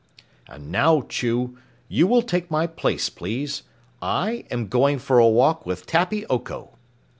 "And now, Chew, you will take my place, please. I am going for a walk with Tappy Oko."